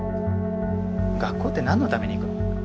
学校って何のために行くの？